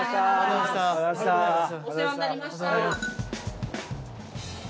お世話になりました。